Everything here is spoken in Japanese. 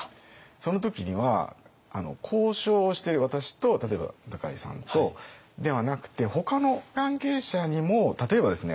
その時には交渉をしてる私と例えば高井さんとではなくてほかの関係者にも例えばですね